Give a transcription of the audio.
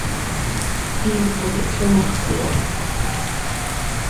Hiicto quih czooxöc iha.